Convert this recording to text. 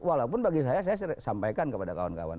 walaupun bagi saya saya sampaikan kepada kawan kawan